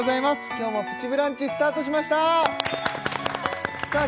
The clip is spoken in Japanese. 今日も「プチブランチ」スタートしましたさあ